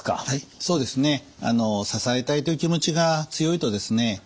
はいそうですね。支えたいという気持ちが強いとですね